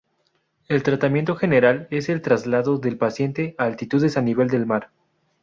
El tratamiento general es el traslado del paciente a altitudes a nivel del mar.